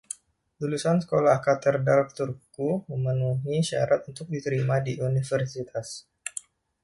Lulusan Sekolah Katedral Turku memenuhi syarat untuk diterima di universitas.